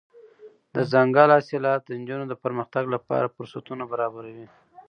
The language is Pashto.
دځنګل حاصلات د نجونو د پرمختګ لپاره فرصتونه برابروي.